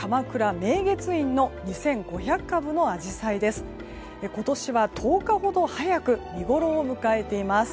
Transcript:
今年は１０日ほど早く見ごろを迎えています。